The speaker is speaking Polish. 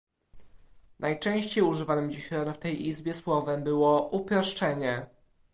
Najczęściej używanym dziś rano w tej Izbie słowem było "uproszczenie"